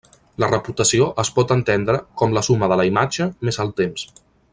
La reputació es pot entendre com la suma de la imatge més el temps.